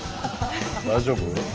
大丈夫？